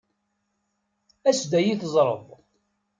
As-d ad iyi-teẓṛeḍ.